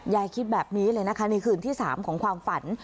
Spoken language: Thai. ยายคิดแบบนี้เลยนะคะในคืนที่๓ของความฝัน